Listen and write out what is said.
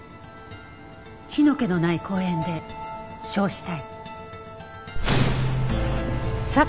火の気のない公園で焼死体。